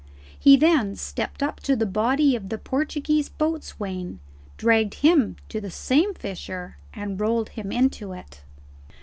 He then stepped up to the body of the Portuguese boatswain, dragged him to the same fissure, and rolled him into it.